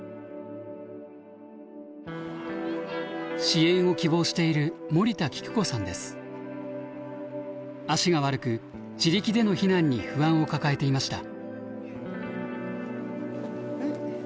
支援を希望している足が悪く自力での避難に不安を抱えていました。